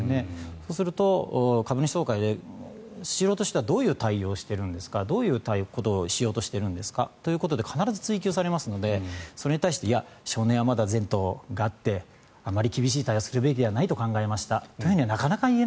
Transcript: そうすると株主総会でスシローとしてはどういう対応をしているんですかどういうことをしようとしているんですかということで必ず追及されますのでそれに対していや、少年はまだ前途があってあまり厳しい対応をするべきではないと考えましたとするのは。